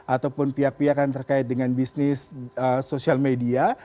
ataupun pihak pihak yang terkait dengan bisnis sosial media